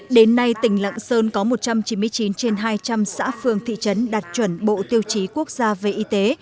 đến nay tỉnh lạng sơn có một trăm chín mươi chín trên hai trăm linh xã phương thị trấn đạt chuẩn bộ tiêu chí quốc gia về y tế